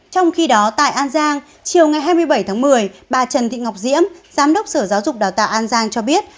trong khi đó tại an giang chiều ngày hai mươi bảy tháng một mươi bà trần thị ngọc diễm giám đốc sở giáo dục đào tạo an giang cho biết